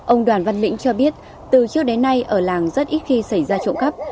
ông đoàn văn lĩnh cho biết từ trước đến nay ở làng rất ít khi xảy ra trộm cắp